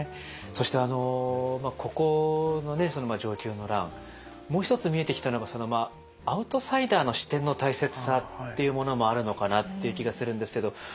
そしてここのね承久の乱もう一つ見えてきたのがアウトサイダーの視点の大切さっていうものもあるのかなっていう気がするんですけど。